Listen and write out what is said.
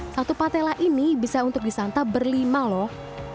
satu patella ini bisa untuk disantap berlima loh